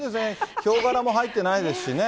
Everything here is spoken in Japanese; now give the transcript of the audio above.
ヒョウ柄も入ってないですしね。